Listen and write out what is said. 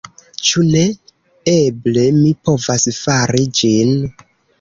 Ĉu ne? Eble mi povas fari ĝin.